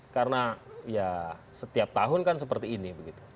karena setiap tahun kan seperti ini